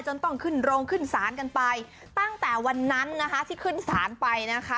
ต้องขึ้นโรงขึ้นศาลกันไปตั้งแต่วันนั้นนะคะที่ขึ้นศาลไปนะคะ